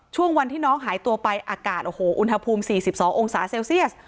ช่วงวันที่น้องหายตัวไปอากาศโอ้โหอุณหภูมิ๔๒องศาเซลเซียส